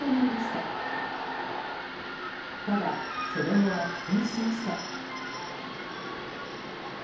ただ、その後は苦戦しました。